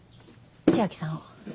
千明さんを。